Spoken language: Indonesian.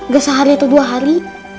gak sehari atau dua hari